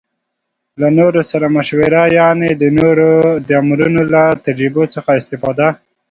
له نورو سره مشوره يعنې د نورو د عمرونو له تجربو څخه استفاده